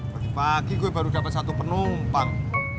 pagi pagi gue baru dapat satu penumpang